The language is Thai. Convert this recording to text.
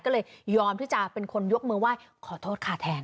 ก็เลยยอมที่จะเป็นคนยกมือไหว้ขอโทษค่ะแทน